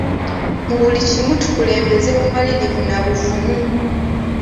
Mu buli kimu tukulembeza bumalirivu nabuvumu.